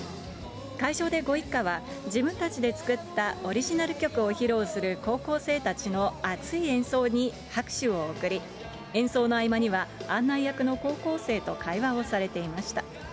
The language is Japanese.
会場でご一家は、自分たちで作ったオリジナル曲を披露する高校生たちの熱い演奏に拍手を送り、演奏の合間には、案内役の高校生と会話をされていました。